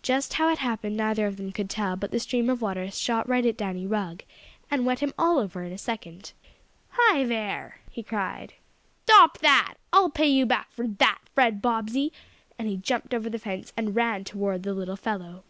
Just how it happened neither of them could tell, but the stream of water shot right at Danny Rugg, and wet him all over in a second. "Hi there!" he cried. "Stop that! I'll pay you back for that, Fred Bobbsey," and he jumped over the fence and ran toward the little fellow.